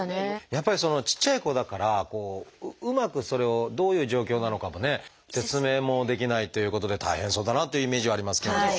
やっぱりちっちゃい子だからうまくそれをどういう状況なのかもね説明もできないということで大変そうだなというイメージはありますけれども。